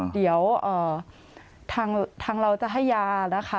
เดี๋ยวทางเราจะให้ยานะคะ